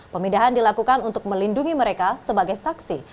pemindahan dilakukan untuk melindungi mereka sebagai saksi